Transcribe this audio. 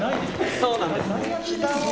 そうなんですね。